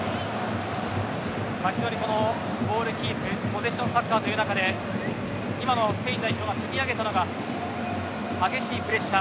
非常にボールキープポゼッションサッカーという中で今のスペイン代表が積み上げたのが激しいプレッシャー。